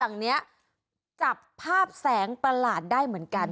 หลังนี้จับภาพแสงประหลาดได้เหมือนกัน